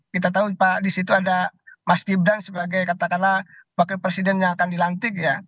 kita tahu pak di situ ada mas gibran sebagai katakanlah wakil presiden yang akan dilantik ya